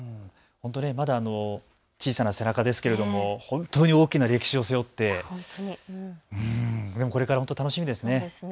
ほんと、まだ小さな背中ですけれども本当に大きな歴史を背負ってこれから本当に楽しみですね。